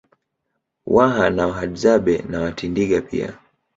Waha na Wahadzabe na Watindiga pia